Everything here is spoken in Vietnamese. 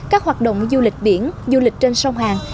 các hoạt động du lịch biển du lịch trên sông hàn